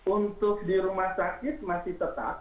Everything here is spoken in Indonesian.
untuk di rumah sakit masih tetap